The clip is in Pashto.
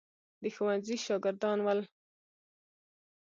د ښوونځي شاګردان ول.